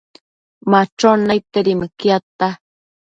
Machon naidtedi mëquiadta